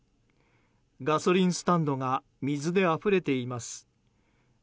ガソリンスタンドが水であふれています。